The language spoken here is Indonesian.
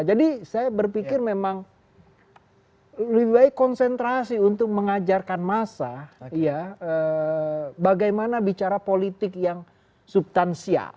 jadi saya berpikir memang lebih baik konsentrasi untuk mengajarkan massa ya bagaimana bicara politik yang subtansial